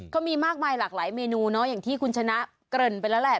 เขามีมากมายหลากหลายเมนูเนาะอย่างที่คุณชนะเกริ่นไปแล้วแหละ